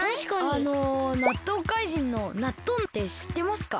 あのなっとうかいじんのなっとんってしってますか？